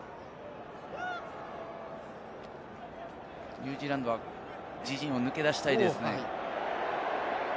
ニュージーランドは自陣を抜け出したいですね。